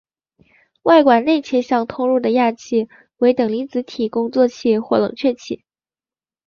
外管内切向通入的氩气为等离子体工作气或冷却气。